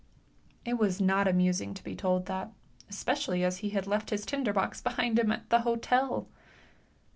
It was not amusing to be told that, especially as he had left his trader box behind him at the hotel.